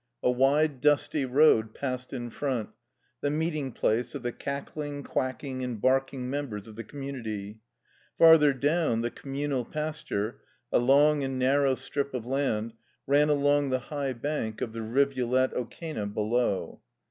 A wide dusty road passed in front — the meeting place of the cackling, quacking, and barking members of the com munity. Farther down, the communal pasture, a long and narrow strip of land, ran along the high bank of the rivulet Okena below.